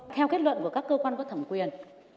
theo kết luận của các cơ quan có thẩm quyền